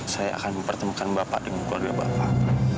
saya akan mempertemukan bapak dengan keluarga bapak